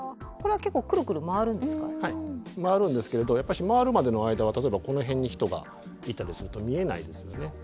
はい回るんですけれどやっぱし回るまでの間は例えばこの辺に人がいたりすると見えないですよね。